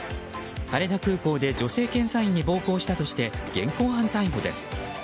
羽田空港で女性検査員に暴行したとして現行犯逮捕です。